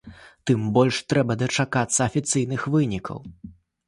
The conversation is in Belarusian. Тым больш трэба дачакацца афіцыйных вынікаў.